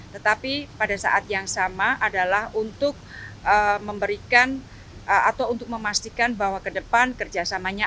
tetapi pada saat yang sama adalah untuk memberikan atau untuk memastikan bahwa ke depan kerjasamanya